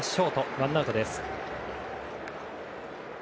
ワンアウトです。